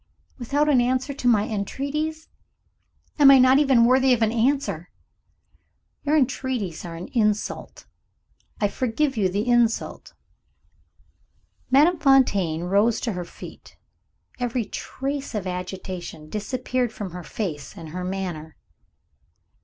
"Without an answer to my entreaties? Am I not even worthy of an answer?" "Your entreaties are an insult. I forgive you the insult." Madame Fontaine rose to her feet. Every trace of agitation disappeared from her face and her manner.